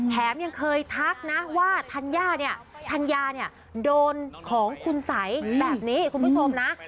แถมยังเคยทักนะว่าธัญญาเนี่ยธัญญาเนี่ยโดนของคุณสัยแบบนี้คุณผู้ชมนะ